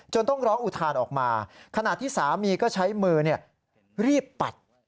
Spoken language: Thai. จนต้องรักอุทานออกมาขนาดที่สามีก็ใช้มือเรียบปัด